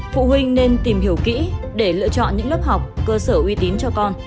phụ huynh nên tìm hiểu kỹ để lựa chọn những lớp học cơ sở uy tín cho con